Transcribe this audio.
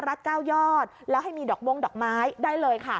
รัฐ๙ยอดแล้วให้มีดอกมงดอกไม้ได้เลยค่ะ